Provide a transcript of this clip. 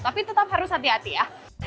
tapi tetap harus hati hati ya